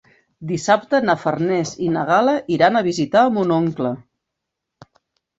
Dissabte na Farners i na Gal·la iran a visitar mon oncle.